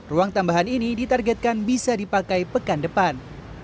ruang tambahan ini ditargetkan bisa dipakai pekan depan